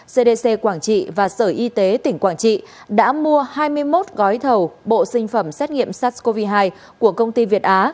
cdc quảng trị và sở y tế tỉnh quảng trị đã mua hai mươi một gói thầu bộ sinh phẩm xét nghiệm sars cov hai của công ty việt á